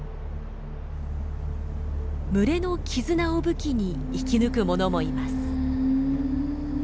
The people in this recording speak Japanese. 群れの絆を武器に生き抜くものもいます。